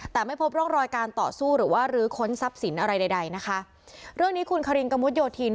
แต่ไม่พบร่องรอยการต่อสู้หรือว่ารื้อค้นทรัพย์สินอะไรใดใดนะคะเรื่องนี้คุณคารินกระมุดโยธิน